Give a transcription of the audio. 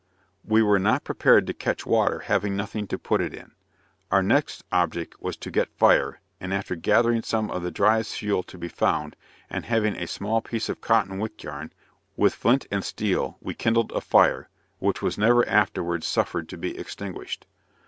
We were not prepared to catch water, having nothing to put it in. Our next object was to get fire, and after gathering some of the driest fuel to be found, and having a small piece of cotton wick yarn, with flint and steel, we kindled a fire, which was never afterwards suffered to be extinguished.